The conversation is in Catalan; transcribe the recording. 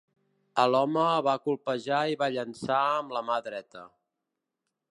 Aloma va colpejar i va llançar amb la mà dreta.